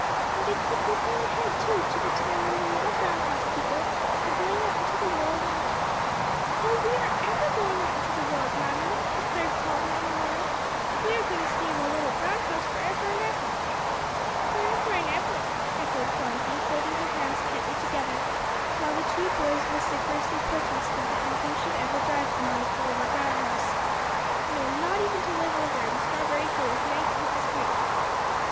"And I keep looking ahead, too, to the time when the little brown house people are going out into the world and " "Oh, we aren't ever going out into the world, Mammy," declared Polly, in alarm. "We are going to stay in the little brown house forever'n ever." "Forever'n ever," echoed Phronsie, folding her hands tightly together; while the two boys vociferously protested that nothing should ever drive them out of the little brown house. "No, not even to live over in Strawberry Hill with nice Mrs. Green."